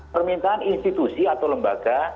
permintaan institusi atau lembaga